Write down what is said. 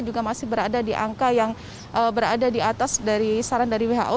juga masih berada di angka yang berada di atas dari saran dari who